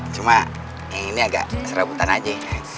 cuma ini agak serabutan aja